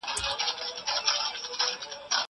زه له سهاره بازار ته ځم.